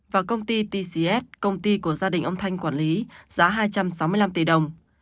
và công ty tcs công ty của gia đình ông thanh quản lý giá hai trăm sáu mươi năm tỷ đồng